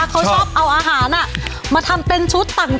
เขาชอบเอาอาหารมาทำเป็นชุดต่าง